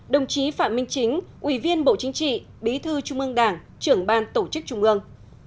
đồng chí phạm minh chính ủy viên bộ chính trị bí thư trung ương đảng trưởng ban tổ chức trung ương